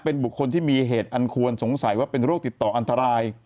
เป็นบุคคลที่มีเหตุอันควรสงสัยว่าเป็นโรคติดต่ออันตราย